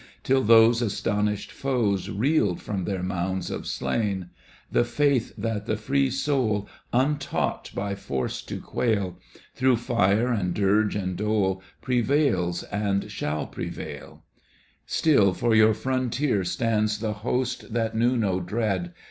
Till those astonished foes Reeled from their mounds of slain, The faith that the free soul. Untaught by force to quail. Through fire and dirge and dole Prevails and shall prevail. Digitized by Google TO THE BELGIANS Still for your frontier stands The host that knew no dread.